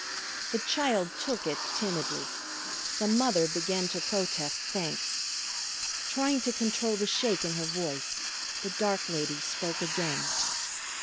The child took it timidly. The mother began to protest thanks. Trying to control the shake in her voice the dark lady spoke again.